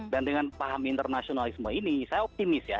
dan dengan paham internasionalisme ini saya optimis ya